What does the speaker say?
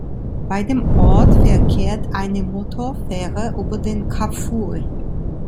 Bei dem Ort verkehrt eine Motorfähre über den Kafue.